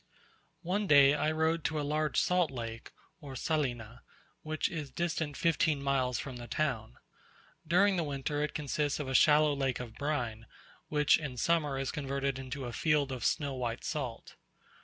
One day I rode to a large salt lake, or Salina, which is distant fifteen miles from the town. During the winter it consists of a shallow lake of brine, which in summer is converted into a field of snow white salt.